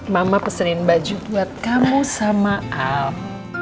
mama pesenin baju buat kamu sama al